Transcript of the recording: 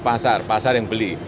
pasar pasar yang beli